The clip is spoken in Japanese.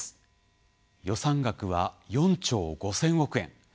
予算額は４兆５，０００億円。